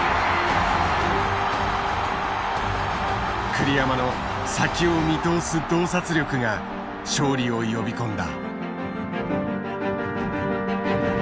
栗山の先を見通す洞察力が勝利を呼び込んだ。